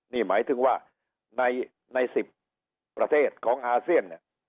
นี่หมายถึงว่าใน๑๐ประเทศของอาเซียนเนี่ย